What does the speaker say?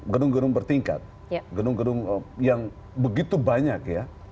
gedung gedung bertingkat gedung gedung yang begitu banyak ya